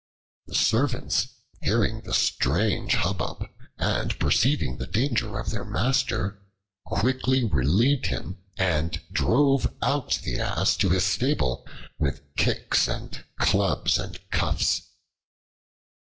The servants, hearing the strange hubbub and perceiving the danger of their master, quickly relieved him, and drove out the Ass to his stable with kicks and clubs and cuffs.